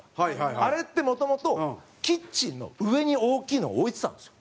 あれって、もともとキッチンの上に大きいのを置いてたんですよ。